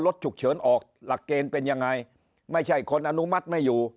รถฉุกเฉินออกหลักเกณฑ์เป็นยังไงไม่ใช่คนอนุมัติไม่อยู่